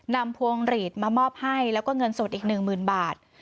นำพวงหลีดมามอบให้แล้วก็เงินสดอีกหนึ่งหมื่นบาท